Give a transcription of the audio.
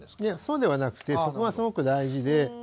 いやそうではなくてそこがすごく大事で。